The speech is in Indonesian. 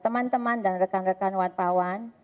teman teman dan rekan rekan wartawan